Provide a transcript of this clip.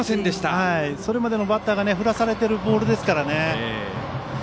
これまでのバッターが振らされているボールですからね。